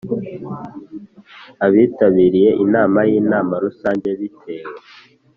Abitabiriye inama y inama rusange bitewe